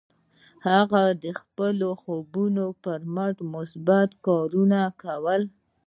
هغه د خپلو خوبونو پر مټ مثبت کارونه وکړل.